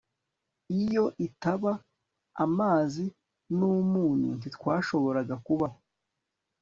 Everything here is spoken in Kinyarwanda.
Iyo itaba amazi numunyu ntitwashoboraga kubaho